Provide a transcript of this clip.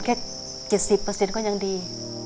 แค่๗๐เปอร์เซ็นต์ก็ยังดี